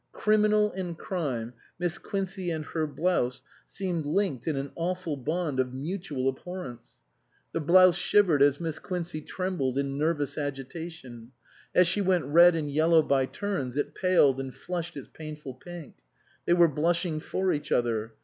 Criminal and crime, Miss Quincey and her blouse, seemed linked in an awful bond of mutual abhorrence. The blouse shivered as Miss Quincey trembled in nervous agitation ; as she went red and yellow by turns it paled and flushed its painful pink. They were blushing for each other.